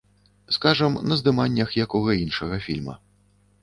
Скажам, на здыманнях якога іншага фільма.